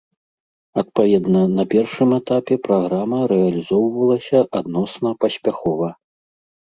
Адпаведна, на першым этапе праграма рэалізоўвалася адносна паспяхова.